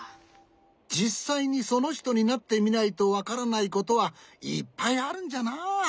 じっさいにそのひとになってみないとわからないことはいっぱいあるんじゃな。